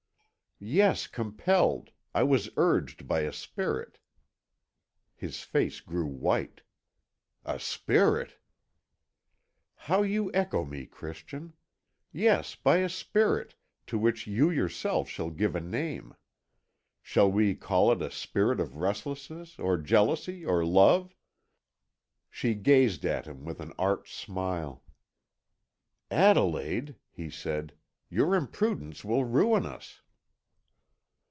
"Yes, compelled. I was urged by a spirit." His face grew white. "A spirit!" "How you echo me, Christian. Yes, by a spirit, to which you yourself shall give a name. Shall we call it a spirit of restlessness, or jealousy, or love?" She gazed at him with an arch smile. "Adelaide," he said, "your imprudence will ruin us."